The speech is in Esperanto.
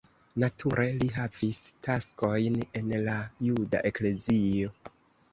Nature li havis taskojn en la juda eklezio.